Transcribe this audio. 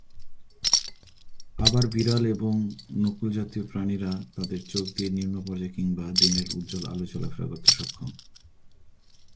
আবার, বিড়াল এবং নকুলজাতীয় প্রাণীরা তাদের চোখ দিয়ে নিম্ন পর্যায় কিংবা দিনের উজ্জ্বল আলোয় চলাফেরা করতে সক্ষম।